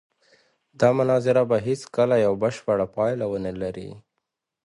دا مناظره به هېڅکله یوه بشپړه پایله ونه لري.